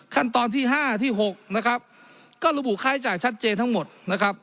ขั้นตอนที่๕ที่๖นะครับก็ระบุค่าใช้จ่ายชัดเจนทั้งหมดนะครับ